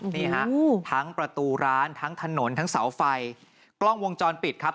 นี่ฮะทั้งประตูร้านทั้งถนนทั้งเสาไฟกล้องวงจรปิดครับ